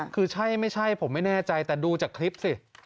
คือใช่ไม่ใช่ผมไม่แน่ใจแต่ดูจากคลิปสิ